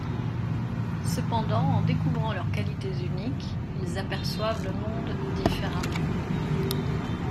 Cependant en découvrant leurs qualités uniques, ils aperçoivent le monde différemment.